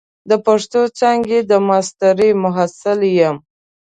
د پښتو څانګې د ماسترۍ محصل یم.